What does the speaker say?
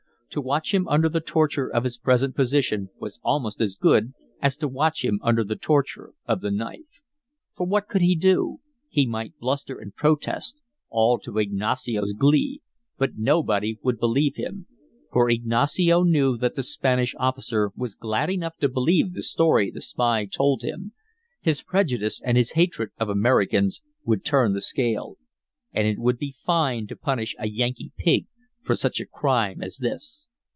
To watch him under the torture of his present position was almost as good as to watch him under the torture of the knife. For what could he do? He might bluster and protest (all to Ignacio's glee) but nobody would believe him. For Ignacio knew that the Spanish officer was glad enough to believe the story the spy told him. His prejudice and his hatred of Americans would turn the scale. And it would be fine to punish a Yankee pig for such a crime as this.